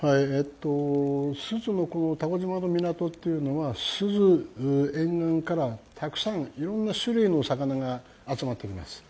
珠洲の蛸島の港というのは珠洲沿岸からたくさんいろんな種類の魚が集まってきます。